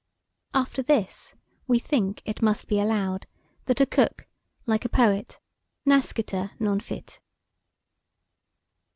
After this, we think, it must be allowed, that a cook, like a poet, nascitur, non fit.